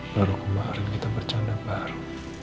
baru kemarin kita bercanda baru